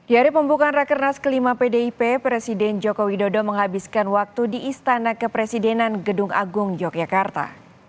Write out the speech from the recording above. di hari pembukaan rekernas kelima pdip presiden jokowi dodo menghabiskan waktu di istana kepresidenan gedung agung yogyakarta